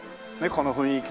この雰囲気。